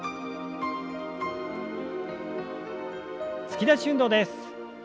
突き出し運動です。